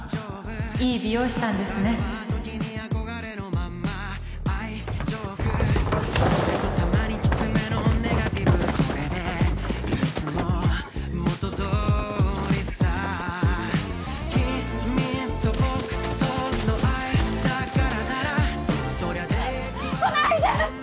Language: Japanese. いい美容師さんですね来ないで！